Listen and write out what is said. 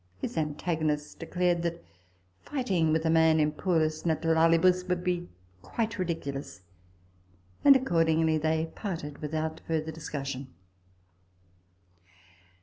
His antagonist declared, that fighting with a man in puris naturalibus would be quite ridiculous ; and accordingly they parted without further discussion.